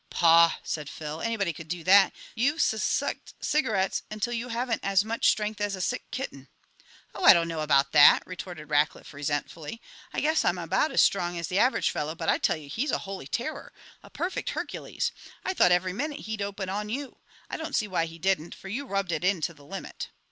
"Paugh!" said Phil. "Anybody could do that. You've sus sucked cigarettes until you haven't as much strength as a sick kitten." "Oh, I don't know about that," retorted Rackliff resentfully. "I guess I'm about as strong as the average fellow; but I tell you he's a holy terror a perfect Hercules. I thought every minute he'd open on you. I don't see why he didn't, for you rubbed it in to the limit."